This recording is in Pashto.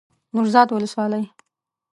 نوزاد ولسوالۍ